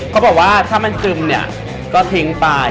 เขาบอกว่าถ้ามันซึมเนี่ยก็ทิ้งไป